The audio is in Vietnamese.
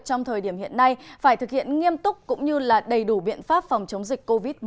trong thời điểm hiện nay phải thực hiện nghiêm túc cũng như đầy đủ biện pháp phòng chống dịch covid một mươi chín